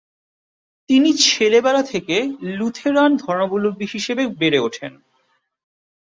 তিনি ছেলেবেলা থেকে লুথেরান ধর্মাবলম্বী হিসেবে বেড়ে ওঠেন।